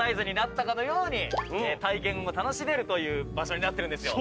体験を楽しめるという場所になってるんですよ。